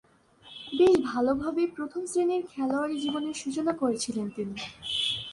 বেশ ভালোভাবেই প্রথম-শ্রেণীর খেলোয়াড়ী জীবনের সূচনা করেছিলেন তিনি।